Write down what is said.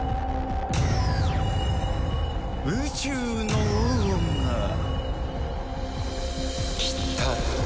宇宙の王が来たと。